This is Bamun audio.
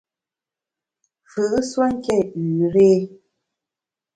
Mfù’ nsuonké üre !